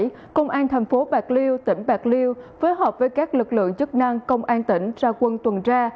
công an thành phố bạc liêu tỉnh bạc liêu phối hợp với các lực lượng chức năng công an tỉnh ra quân tuần tra